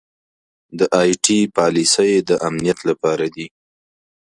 دا ائ ټي پالیسۍ د امنیت لپاره دي.